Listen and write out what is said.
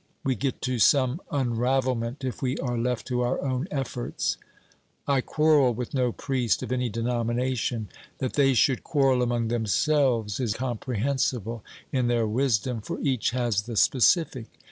We get to some unravelment if we are left to our own efforts. I quarrel with no priest of any denomination. That they should quarrel among themselves is comprehensible in their wisdom, for each has the specific.